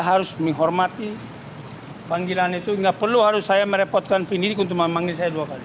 hercules menyatakan jika dirinya siap datang ke kpk namun saat ini sedang berada di luar kota